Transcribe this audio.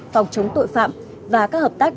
phòng chống tội phạm và các hợp tác